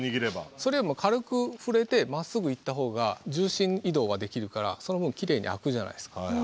それよりも軽く触れてまっすぐいった方が重心移動ができるからその分きれいに開くじゃないですか。